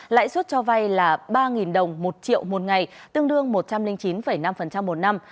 lãi suất cho vay là ba đồng một triệu một ngày tương đương một trăm linh chín năm một năm